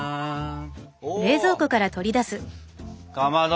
おかまど。